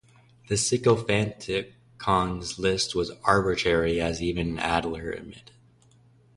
The "Syntopicon"'s list was "arbitrary", as even Adler admitted.